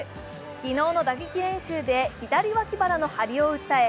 昨日の打撃練習で左脇腹の張りを訴え